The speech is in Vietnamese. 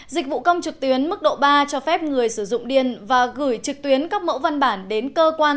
dịch vụ công trực tuyến mức độ ba cho phép người sử dụng điện và gửi trực tuyến các mẫu văn bản đến cơ quan